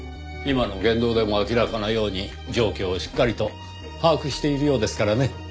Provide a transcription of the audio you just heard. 今の言動でも明らかなように状況をしっかりと把握しているようですからね。